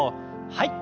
はい。